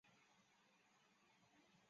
曾任海军西营基地司令员。